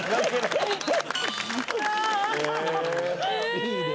いいね。